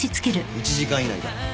１時間以内だ。